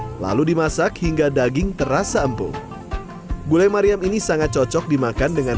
bumbu rempah lalu dimasak hingga daging terasa empuk bule maryam ini sangat cocok dimakan dengan